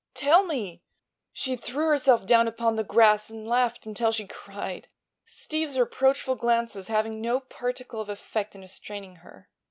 Tell me!" She threw herself down upon the grass and laughed until she cried, Steve's reproachful glances having no particle of effect in restraining her.